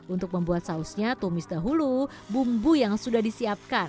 untuk membuat sausnya tumis dahulu bumbu yang sudah disiapkan